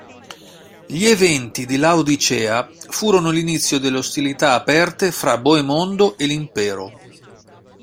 Gli eventi di Laodicea furono l'inizio delle ostilità aperte fra Boemondo e l'impero.